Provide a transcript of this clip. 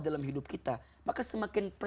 dalam hidup kita maka semakin